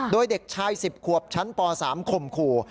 โดยเด็กชาย๑๐ขวบชั้นป๓ข่มขู่